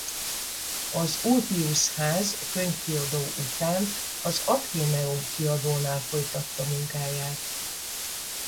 Az Ulpius-ház Könyvkiadó után az Athenaeum Kiadónál folytatta munkáját.